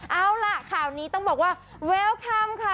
เอาล่ะข่าวนี้ต้องบอกว่าเวลคำค่ะ